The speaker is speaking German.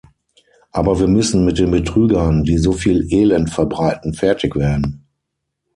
Aber wir müssen mit den Betrügern, die soviel Elend verbreiten, fertig werden.